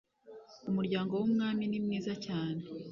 Umuryango wumwami ni mwiza cyane